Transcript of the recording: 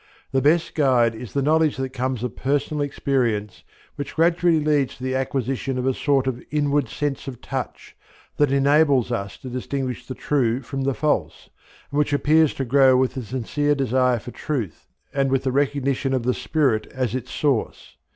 The best guide is the knowledge that comes of personal experience which gradually leads to the acquisition of a sort of inward sense of touch that enables us to distinguish the true from the false, and which appears to grow with the sincere desire for truth and with the recognition of the spirit as its source.